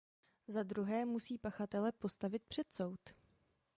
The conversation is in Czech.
Zadruhé musí pachatele postavit před soud.